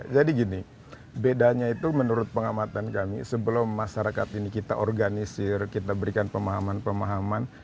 jadi gini bedanya itu menurut pengamatan kami sebelum masyarakat ini kita organisir kita berikan pemahaman pemahaman